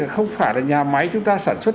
không phải là nhà máy chúng ta sản xuất